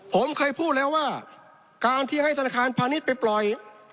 ผมเคยพูดแล้วว่าการที่ให้ธนาคารพาณิชย์ไปปล่อย